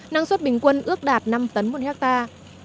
năng suất bình quân ước đạt năm tấn một hectare